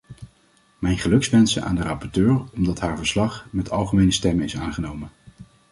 Mijn gelukwensen aan de rapporteur omdat haar verslag met algemene stemmen is aangenomen.